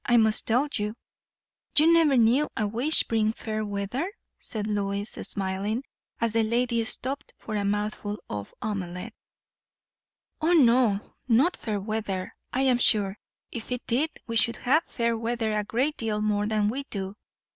I must tell you " "You never knew a wish bring fair weather?" said Lois, smiling, as the lady stopped for a mouthful of omelet. "O no, not fair weather; I am sure, if it did, we should have fair weather a great deal more than we do.